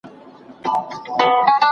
د لارښود استاد نشتوالی لویه تشه ده.